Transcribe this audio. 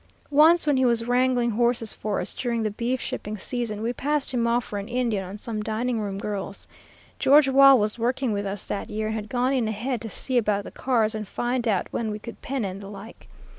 Once, when he was wrangling horses for us during the beef shipping season, we passed him off for an Indian on some dining room girls. George Wall was working with us that year, and had gone in ahead to see about the cars and find out when we could pen and the like.